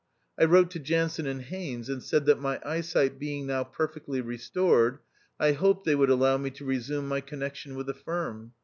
I wrote to Jansen and Haines, and said that my eyesight being now perfectly restored, I hoped they would allow me to resume my connection with the firm.